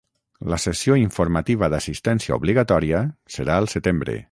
La sessió informativa d'assitència obligatòria serà al setembre